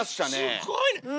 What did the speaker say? すごいね！